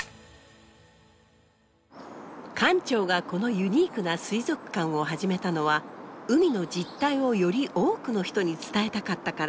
館長がこのユニークな水族館を始めたのは海の実態をより多くの人に伝えたかったから。